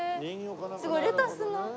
すごいレタスの。